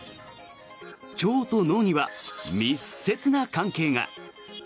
腸と脳には密接な関係が。